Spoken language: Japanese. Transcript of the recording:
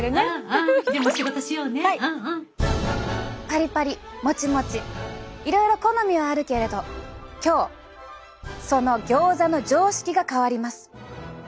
パリパリモチモチいろいろ好みはあるけれど今日そのギョーザの常識が変わります。